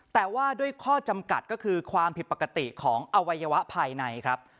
แต่ว่าด้วยข้อจำกัดก็คือความผิดปกติของอวัยวะภายในครับ